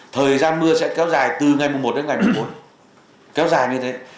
thời gian mưa sẽ kéo dài từ ngày một đến ngày bốn kéo dài như thế